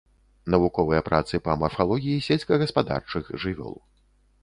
Навуковыя працы па марфалогіі сельскагаспадарчых жывёл.